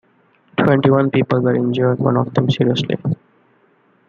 Twenty-one people were injured, one of them seriously.